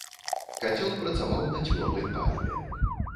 Кацёл працаваў на цвёрдым паліве.